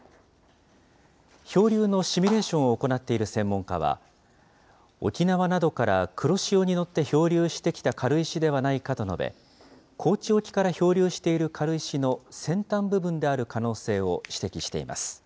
漂流のシミュレーションを行っている専門家は、沖縄などから黒潮に乗って漂流してきた軽石ではないかと述べ、高知沖から漂流している軽石の先端部分である可能性を指摘しています。